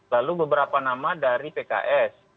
lalu beberapa nama dari pks